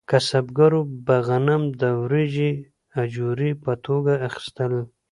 کسبګرو به غنم او وریجې د اجورې په توګه اخیستل.